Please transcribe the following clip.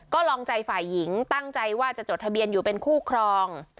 ก็ลองใจฝ่ายหญิงตั้งใจว่าจะจดทะเบียนอยู่เป็นคู่ครอง